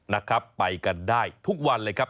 นะครับไปกันได้ทุกวันเลยครับ